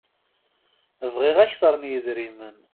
Bɣiɣ akteṛ n yedrimen.